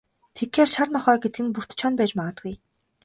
Тэгэхээр, шар нохой гэдэг нь Бөртэ Чоно байж магадгүй.